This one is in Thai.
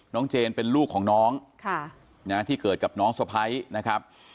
เจนเป็นลูกของน้องที่เกิดกับน้องสะพ้ายนะครับ